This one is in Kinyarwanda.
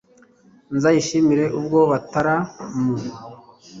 Nzayishimire ubwo butaramu